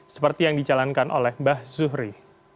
seperti yang dicalankan oleh mbah zuhri